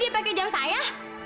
masih nanti dia pakai jam saya